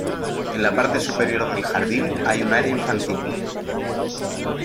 En la parte superior del jardín hay un área infantil.